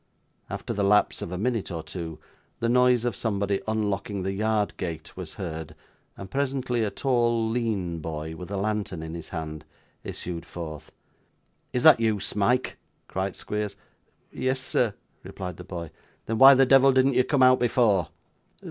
After the lapse of a minute or two, the noise of somebody unlocking the yard gate was heard, and presently a tall lean boy, with a lantern in his hand, issued forth. 'Is that you, Smike?' cried Squeers. 'Yes, sir,' replied the boy. 'Then why the devil didn't you come before?